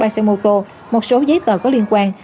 hai xe mô tô một số giấy tờ có liên quan